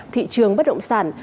thị trường bất động sản